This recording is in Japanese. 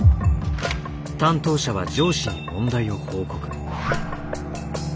担当者は上司に問題を報告。